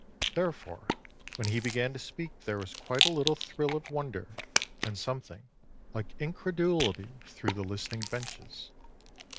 Therefore when he began to speak there was quite a little thrill of wonder and something like incredulity through the listening benches.